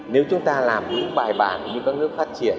nếu chúng ta làm những bài bản như các nước phát triển